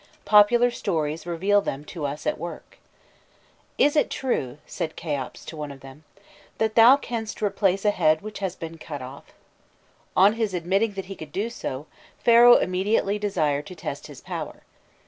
Popular stories reveal them to us at work. "Is it true," said Kheops to one of them, "that thou canst replace a head which has been cut off?" On his admitting that he could do so, Pharaoh immediately desired to test his power.